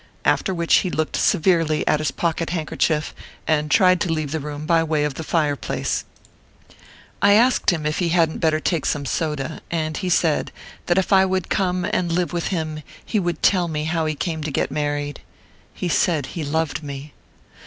After which he looked severely at his pocket handkerchief, and tried to leave the room by way of the fire place. 170 ORPHEUS C. KERR PAPERS. I asked him if he hadn t better take some soda ; and he said, that if I would come and live with him he would tell me how he came to get married. He said he loved me.